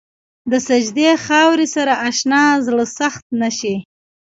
د سجدې خاورې سره اشنا زړه سخت نه شي.